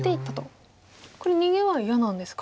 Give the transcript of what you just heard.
これ逃げは嫌なんですか。